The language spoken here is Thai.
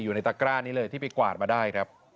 อยู่ในตะกร้านี้เลยที่ไปกวาดมาได้ครับ